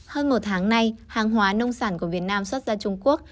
hơn một tháng nay hàng hóa nông sản của việt nam xuất ra trung quốc